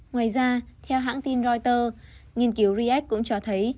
ngoài ra theo hãng tin reuters nghiên cứu reac cũng cho thấy